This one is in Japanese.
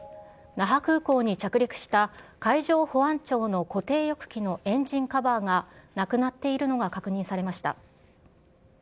那覇空港に着陸した海上保安庁の固定翼機のエンジンカバーがなくなっているのが確認されました。